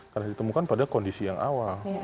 karena ditemukan pada kondisi yang awal